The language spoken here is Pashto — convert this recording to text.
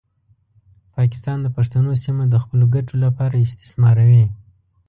پاکستان د پښتنو سیمه د خپلو ګټو لپاره استثماروي.